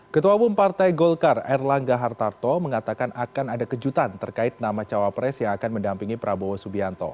ketua umum partai golkar erlangga hartarto mengatakan akan ada kejutan terkait nama cawapres yang akan mendampingi prabowo subianto